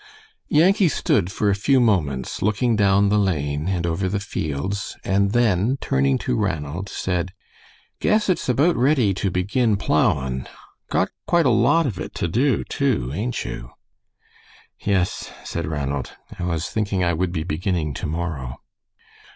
Yankee stood for a few moments looking down the lane and over the fields, and then, turning to Ranald, said, "Guess it's about ready to begin plowin'. Got quite a lot of it to do, too, ain't you?" "Yes," said Ranald, "I was thinking I would be beginning to morrow."